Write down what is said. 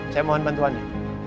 saya mohon bantuannya